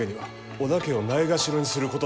織田家をないがしろにすることでは？